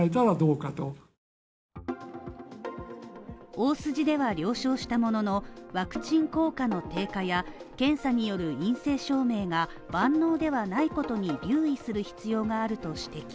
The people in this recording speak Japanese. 大筋では了承したものの、ワクチン効果の低下や検査による陰性証明が万能ではないことに留意する必要があると指摘。